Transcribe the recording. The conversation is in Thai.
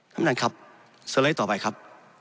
ดำนานครับสไลด์ต่อไปครับ